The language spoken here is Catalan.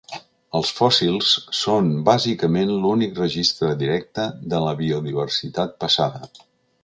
Els fòssils són bàsicament l’únic registre directe de la biodiversitat passada.